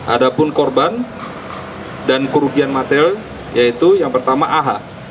ada pun korban dan kerugian material yaitu yang pertama aha